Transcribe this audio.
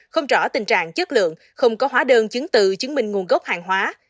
không rõ tình trạng chất lượng không có hóa đơn chứng từ chứng minh nguồn gốc hàng hóa